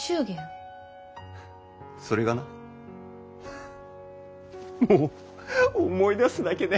それがなフフッもう思い出すだけでフフフ。